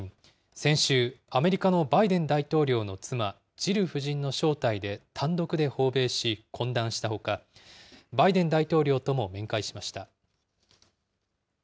先週、アメリカのバイデン大統領の妻、ジル夫人の招待で単独で訪米し懇談したほか、バイデン大統領とも面会しました。